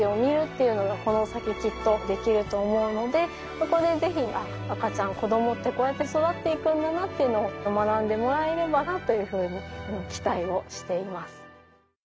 そこで是非あっ赤ちゃん子供ってこうやって育っていくんだなっていうのを学んでもらえればなというふうに期待をしています。